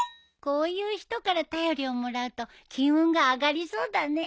こういう人から便りをもらうと金運が上がりそうだね。